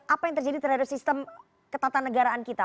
apa yang terjadi terhadap sistem ketatanegaraan kita